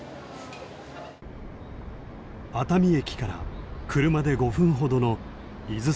熱海駅から車で５分ほどの伊豆山地区。